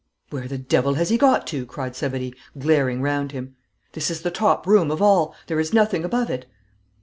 'Where the devil has he got to?' cried Savary, glaring round him. 'This is the top room of all. There is nothing above it.'